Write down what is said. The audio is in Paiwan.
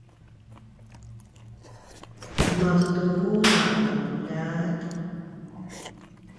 mavetu mun a mapuljat?